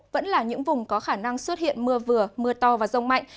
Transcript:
vẫn là những vùng có khả năng xuất hiện mưa vừa mưa to và rông mạnh